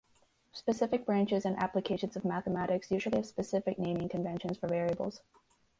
Specific branches and applications of mathematics usually have specific naming conventions for variables.